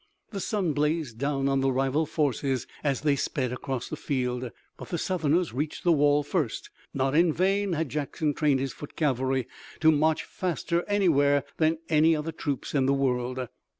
The sun blazed down on the rival forces as they sped across the field. But the Southerners reached the wall first. Not in vain had Jackson trained his foot cavalry to march faster anywhere than any other troops in the world.